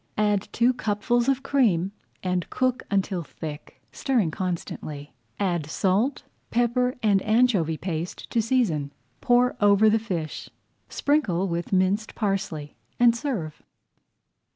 Add two cupfuls of cream and cook until thick, stirring constantly. Add salt, pepper, and anchovy paste to season, pour over the fish. sprinkle with minced parsley, and serve.